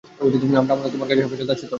আমার আমানত তোমার কাছে হেফাজতে আছে তো?